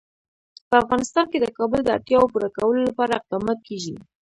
په افغانستان کې د کابل د اړتیاوو پوره کولو لپاره اقدامات کېږي.